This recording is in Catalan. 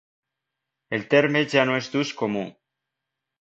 El terme ja no és d'ús comú.